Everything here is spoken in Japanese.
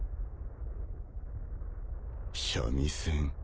三味線